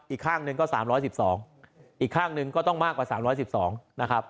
อีกข้างหนึ่งก็๓๑๒อีกข้างหนึ่งก็ต้องมากกว่า๓๑๒นะครับ